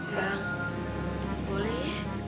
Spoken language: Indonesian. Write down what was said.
bang boleh ya